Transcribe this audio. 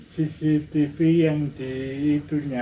cctv yang di